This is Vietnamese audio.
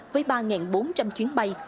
với ba bốn trăm linh chuyến bay